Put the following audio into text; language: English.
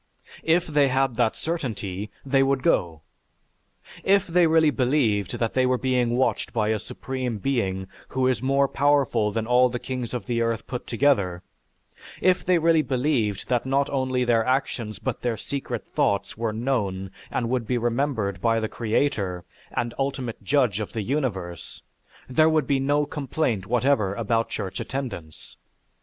If they had that certainty they would go. If they really believed that they were being watched by a Supreme Being who is more powerful than all the kings of the earth put together, if they really believed that not only their actions but their secret thoughts were known and would be remembered by the creator, and ultimate judge of the universe, there would be no complaint whatever about church attendance.